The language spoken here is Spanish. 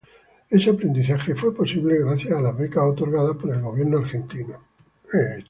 Ese aprendizaje fue posible gracias a las becas otorgadas por el gobierno argentino.